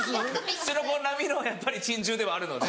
ツチノコ並みのやっぱり珍獣ではあるので。